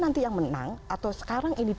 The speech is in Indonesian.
nanti yang menang atau sekarang ini